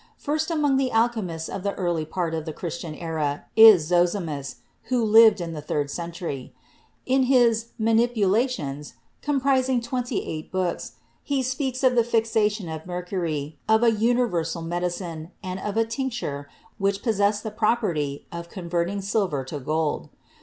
First among the alchemists of the early part of the Christian era is Zosimus, who lived in the third cen tury. In his "Manipulations/' comprising twenty eight books, he speaks of the fixation of mercury, of a univer sal medicine, and of a tincture which possessed the prop erty of converting silver into gold.